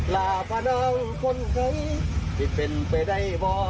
ลาพนังคนไขที่เป็นไปได้บ่